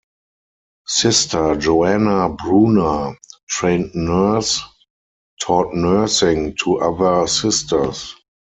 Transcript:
Sister Joanna Bruner, trained nurse taught nursing to other Sisters.